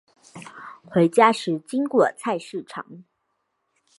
回家时经过菜市场